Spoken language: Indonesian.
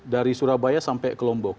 dari surabaya sampai kelombok